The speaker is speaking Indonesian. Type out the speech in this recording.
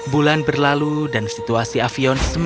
bulan berlalu dan situasi avion semakin